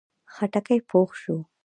خټکی پوخ شو.